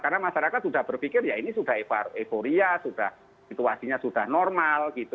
karena masyarakat sudah berpikir ya ini sudah euforia situasinya sudah normal